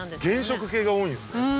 原色系が多いんですね。